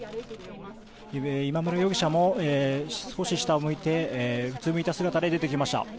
今村容疑者も少し下を向いてうつむいた姿で出てきました。